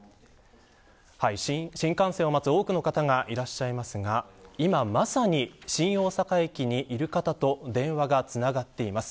新幹線を待つ多くの方がいらっしゃいますが今まさに新大阪駅にいる方と電話が繋がっています。